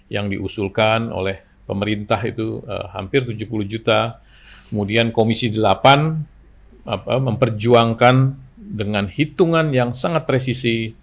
yang diusulkan oleh pemerintah itu hampir tujuh puluh juta kemudian komisi delapan memperjuangkan dengan hitungan yang sangat presisi